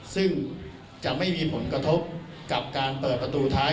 ซึ่งจะไม่มีผลกระทบกับการเปิดประตูท้าย